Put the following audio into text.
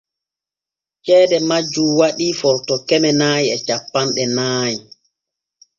Ceede majjun waɗii Footo keme nay e cappanɗe nay.